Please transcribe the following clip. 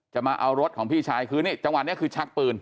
มาเอารถของพี่ชายคือนี่จังหวะนี้คือชักปืน